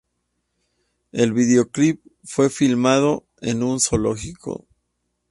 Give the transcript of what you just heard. El video clip fue filmado en un zoológico.